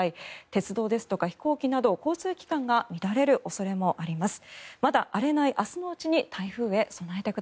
鉄道ですとか飛行機など交通機関が乱れる恐れもあります。